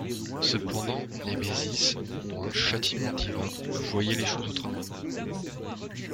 Cependant, Némésis, ou un châtiment divin, voyait les choses autrement.